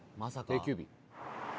定休日